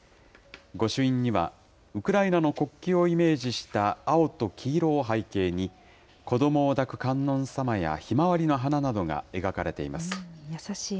御朱印には、ウクライナの国旗をイメージした青と黄色を背景に、子どもを抱く観音様やひまわりの花などが描かれています。